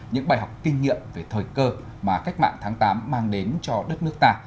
những bài học kinh nghiệm về thời cơ mà cách mạng tháng tám mang đến cho đất nước ta